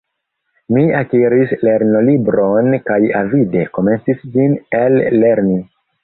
Mi akiris lernolibron kaj avide komencis ĝin ellerni.